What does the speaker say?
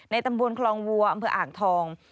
ตำบลคลองวัวอำเภออ่างทอง